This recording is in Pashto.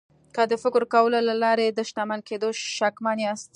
که د فکر کولو له لارې د شتمن کېدو شکمن یاست